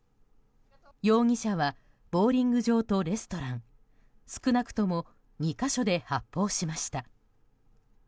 容疑者はボウリング場とレストラン少なくとも２か所で発砲しました。